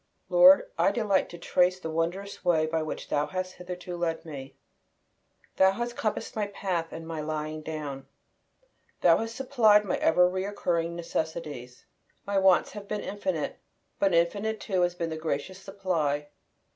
Lord, I delight to trace the wondrous way by which Thou hast hitherto led me! Thou hast compassed my path and my lying down. Thou hast supplied my ever recurring necessities. My wants have been infinite, but infinite too has been the gracious supply.